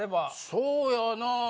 そうやな。